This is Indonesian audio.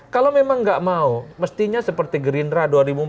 kalau memang nggak mau mestinya seperti gerindra dua ribu empat belas